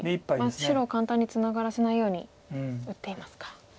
白を簡単にツナがらせないように打っていますか。